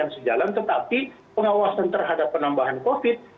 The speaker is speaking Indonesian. yang sejalan tetapi pengawasan terhadap penambahan covid sembilan belas